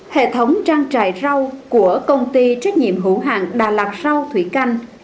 hệ thống trang trại rau của công ty trách nhiệm hữu hạng đà lạt rau thủy canh